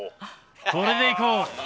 これでいこう。